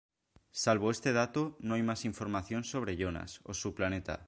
Salvo este dato, no hay más información sobre Jonas, o su planeta.